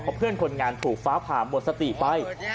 เพราะเพื่อนคนงานถูกฟ้าผ่าหมดสติไป